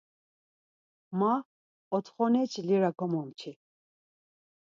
Ma otxoneçi lira komomçi.